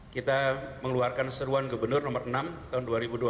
kita mengeluarkan seruan gubernur nomor enam tahun dua ribu dua puluh